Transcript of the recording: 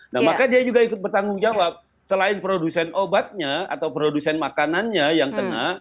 nah maka dia juga ikut bertanggung jawab selain produsen obatnya atau produsen makanannya yang kena